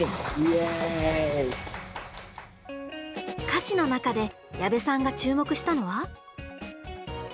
歌詞の中で矢部さんが注目したのは。